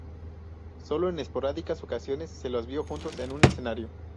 Sólo en esporádicas ocasiones se los vio juntos en un escenario.